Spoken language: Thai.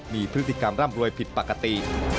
มีพฤติกรรมร่ำรวยผิดปกติ